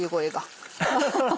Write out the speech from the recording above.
アハハハ！